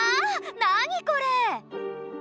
何これ？